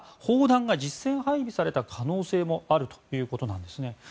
砲弾が実戦配備された可能性もあるということなんです。